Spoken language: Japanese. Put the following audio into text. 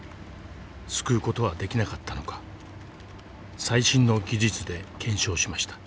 救う事はできなかったのか最新の技術で検証しました。